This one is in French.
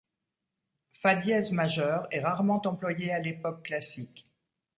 Fa dièse majeur est rarement employé à l’époque classique.